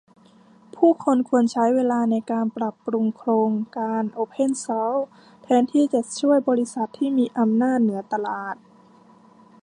ผู้คนควรใช้เวลาในการปรับปรุงโครงการโอเพนซอร์ซแทนที่จะช่วย บริษัท ที่มีอำนาจเหนือตลาด